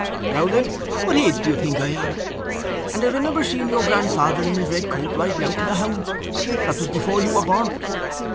Now, then! What age do you think I am? And I remember seeing your grandfather in his red coat riding out to hounds. That was before you were born.